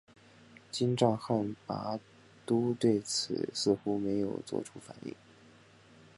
金帐汗拔都对此似乎没有作出反应。